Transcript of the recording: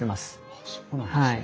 あっそうなんですね。